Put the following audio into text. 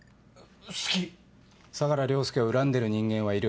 相良凌介を恨んでいる人間はいる？